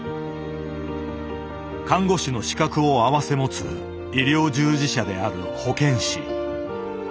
看護師の資格を併せ持つ医療従事者である保健師。